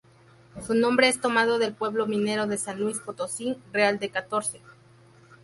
Su nombre es tomado del pueblo minero de San Luis Potosí, Real de Catorce.